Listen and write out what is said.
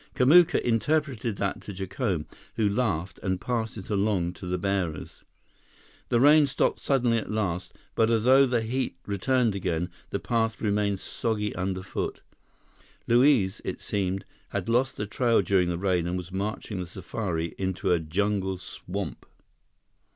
Kamuka interpreted that to Jacome, who laughed and passed it along to the bearers. The rain stopped suddenly at last, but although the heat returned again, the path remained soggy underfoot. Luiz, it seemed, had lost the trail during the rain and was marching the safari into a jungle swamp.